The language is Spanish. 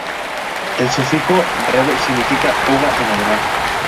El sufijo "rebe" significa uva en alemán.